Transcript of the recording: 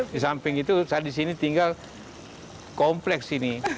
di samping itu saya di sini tinggal kompleks ini